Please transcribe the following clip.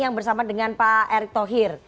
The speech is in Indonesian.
yang bersama dengan pak erick thohir